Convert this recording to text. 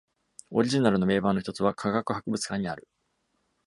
オリジナルの銘板の一つは科学博物館にある。